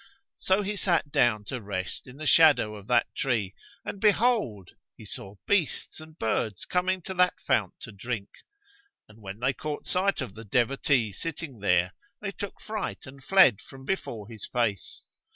So he sat down to rest in the shadow of that tree and behold, he saw beasts and birds coming to that fount to drink, but when they caught sight of the devotee sitting there, they took fright and fled from before his face.